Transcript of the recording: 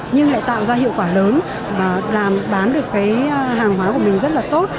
nhưng lại tạo ra hiệu quả lớn và làm bán được cái hàng hóa của mình rất là tốt